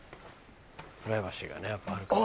プライバシーがやっぱあるから。